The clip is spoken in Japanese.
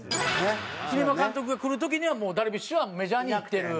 栗山監督が来る時にはもうダルビッシュはメジャーに行ってる。